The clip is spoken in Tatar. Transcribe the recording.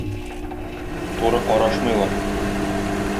Туры карашмыйлар